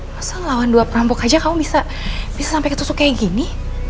masa ngelawan dua perampok aja kamu bisa sampai ketusu kayak gini